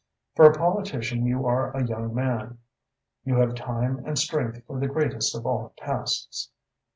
For a politician you are a young man. You have time and strength for the greatest of all tasks.